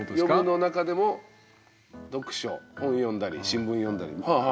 「読む」の中でも「読書」本読んだり新聞読んだり。